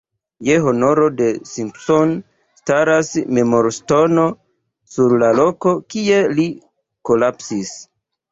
Je honoro de Simpson, staras memorŝtono sur la loko, kie li kolapsis.